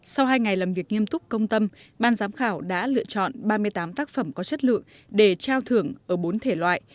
sau hai ngày làm việc nghiêm túc công tâm ban giám khảo đã lựa chọn ba mươi tám tác phẩm có chất lượng để trao thưởng ở bốn thể loại